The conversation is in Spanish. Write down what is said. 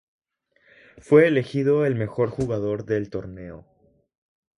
Fue elegido el mejor jugador del torneo.